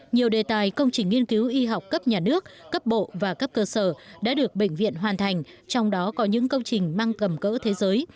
nhiều đề tài công trình nghiên cứu y học cấp nhà nước cấp bộ và cấp cơ sở đã được bệnh viện hoàn thành trong đó có những công trình mang cầm cỡ thế giới